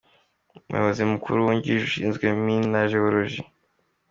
Umuyobozi mukuru wungirije ushinzwe mine na jewologi, Dr.